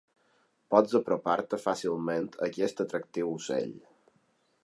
Pots apropar-te fàcilment a aquest atractiu ocell.